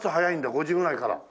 ５時ぐらいから。